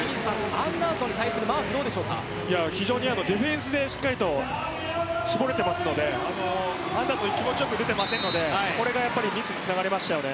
アンダーソンに対するマークディフェンスでしっかりと絞れていますのでアンダーソン気持ちよく打てていないのでミスにつながりました。